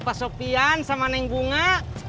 jemput pak sopian sama neng bunga